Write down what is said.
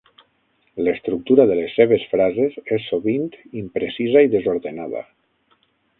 L'estructura de les seves frases és sovint imprecisa i desordenada.